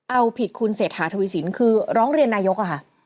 เอาผิดคุณเศรษฐาทวีสินคือร้องเรียนนายกอะค่ะ